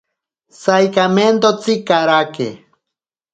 Saikamentotsi karake.